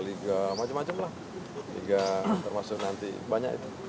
liga macam macam lah liga termasuk nanti banyak itu